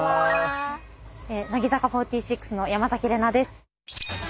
乃木坂４６の山崎怜奈です。